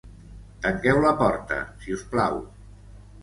Tanqueu la porta si us plau